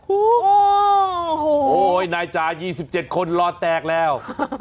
โอ้โหนายจ๋า๒๗คนรอแตกแล้ว